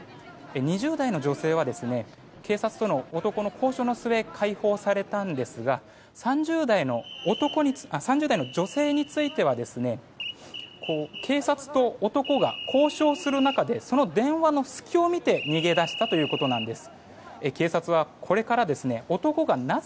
２０代の女性は警察との男の交渉の末解放されたんですが３０代の女性については警察と男が交渉する中でその電話の隙を見て逃げ出したということです。